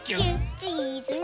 「チーズね」